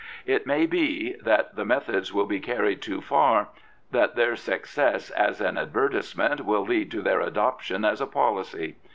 It may be that the methods will be carried too far — that their success as an advertisement will lead to their adoption as a policy.